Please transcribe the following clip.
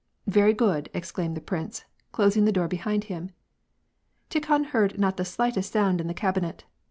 " Very good," exclaimed the prince, closing the door behind him, and Tikhon heard not the slightest sound in the cabinet.